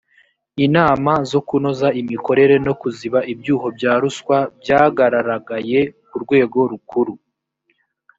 inama zo kunoza imikorere no kuziba ibyuho bya ruswa byagararagaye ku rwego rukuru